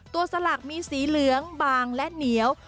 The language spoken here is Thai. สลักมีสีเหลืองบางและเหนียว